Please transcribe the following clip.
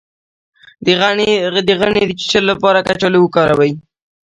د غڼې د چیچلو لپاره کچالو وکاروئ